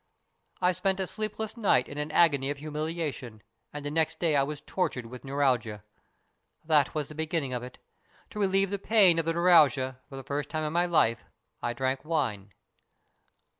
"I spent a sleepless night in an agony of humiliation, and next day I was tortured with neuralgia. That was the beginning of it. To relieve the pain of the neuralgia, for the first time in my life I drank wine."